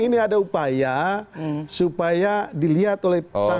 ini ada upaya supaya dilihat oleh sang ketua ini